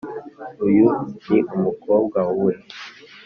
uyu ni umukobwa we.